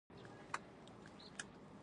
اوړه د روغتیا لپاره هم ګټور دي